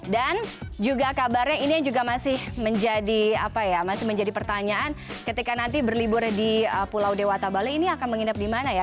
dan juga kabarnya ini juga masih menjadi pertanyaan ketika nanti berlibur di pulau dewata bali ini akan menghidap di mana ya